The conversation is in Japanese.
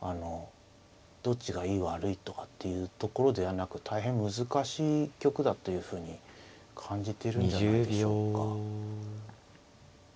どっちがいい悪いとかっていうところではなく大変難しい一局だというふうに感じてるんじゃないでしょうか。